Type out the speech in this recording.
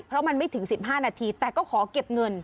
เพราะมันไม่ถึง๑๕นาทีแต่ก็ขอเก็บเงิน